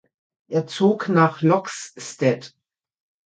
Er zog nach Loxstedt.